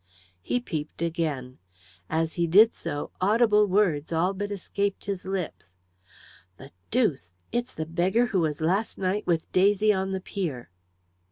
He peeped again. As he did so audible words all but escaped his lips. "The deuce! it's the beggar who was last night with Daisy on the pier."